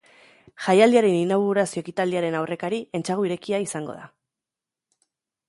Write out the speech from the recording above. Jaialdiaren inaugurazio-ekitaldiaren aurrekari, entsegu irekia, izango da.